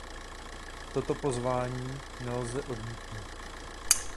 Toto pozvání nelze odmítnout.